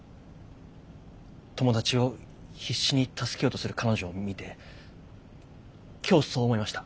友達を必死に助けようとする彼女を見て今日そう思いました。